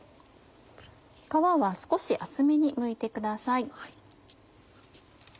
皮は少し厚めにむいてください。